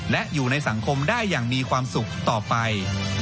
และอยู่ในสังคมได้อย่างมีความสุขต่อไป